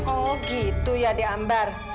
oh gitu ya deambar